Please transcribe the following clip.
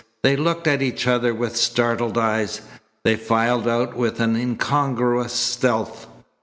They looked at each other with startled eyes. They filed out with an incongruous stealth.